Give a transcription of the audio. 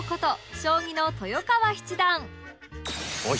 将棋の豊川七段